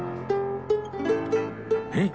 えっ？